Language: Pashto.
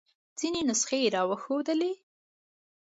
ځینې نسخې یې را وښودلې.